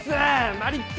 マリック！